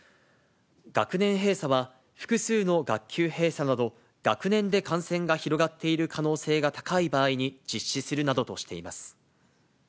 学年閉鎖は、複数の学級閉鎖など、学年で感染が広がっている可能性が高い場合に実施するなどとしています。